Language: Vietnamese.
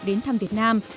đến thăm việt nam